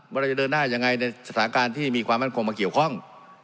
เราจะเดินหน้ายังไงในสถานการณ์ที่มีความมั่นคงมาเกี่ยวข้อง